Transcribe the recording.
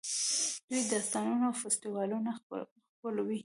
دوی داستانونه او فستیوالونه خپلوي.